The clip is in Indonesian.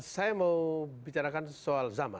saya mau bicarakan soal zaman